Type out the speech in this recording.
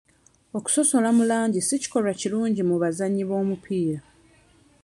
Okusosola mu langi si kikolwa kirungi mu bazannyi b'omupiira.